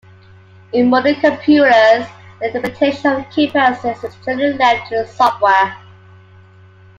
In modern computers, the interpretation of keypresses is generally left to the software.